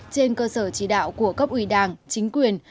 trên cơ sở chỉ đạo của cấp ủy đảng chính quyền